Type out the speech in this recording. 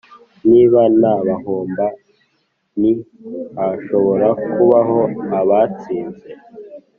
niba nta bahomba ntihashobora kubaho abatsinze